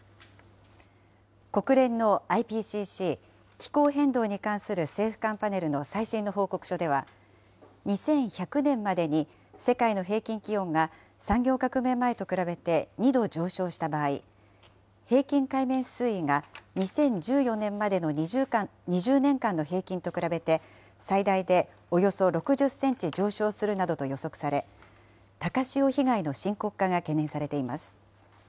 国連のＩＰＣＣ・気候変動に関する政府間パネルの最新の報告書では、２１００年までに世界の平均気温が産業革命前と比べて２度上昇した場合、平均海面水位が２０１４年までの２０年間の平均と比べて、最大でおよそ６０センチ上昇するなどと予測され、高潮被害の深刻化が懸念されています。